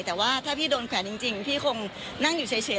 แต่ว่าถ้าพี่โดนแขวนจริงพี่คงนั่งอยู่เฉย